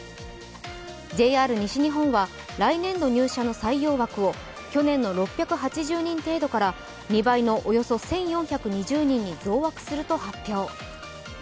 ＪＲ西日本は来年度入社の採用枠を去年の６８０人程度から２倍のおよそ１４２０人に増枠すると発表。